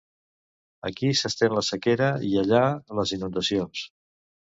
Aquí s'estén la sequera i allà, les inundacions